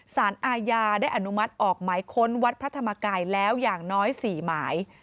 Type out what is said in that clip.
สารอาญาได้อนุมัติออกหมายค้นวัดพระธรรมกายแล้วอย่างน้อย๔หมาย